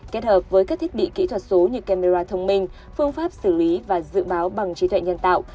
kết hợp với các thiết bị kỹ thuật số như camera thông minh phương pháp xử lý và dự báo bằng trí tuệ nhân tạo